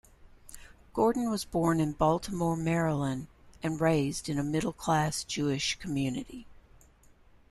Gordon was born in Baltimore, Maryland, and raised in a middle class Jewish community.